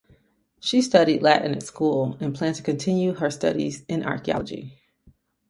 She studied Latin at school and planned to continue her studies in archeology.